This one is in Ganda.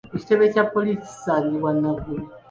Ekitebe kya poliisi kisangibwa Naguru.